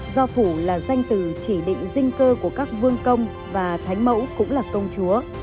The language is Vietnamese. do phủ là danh từ chỉ định dinh cơ của các vương công và thánh mẫu cũng là công chúa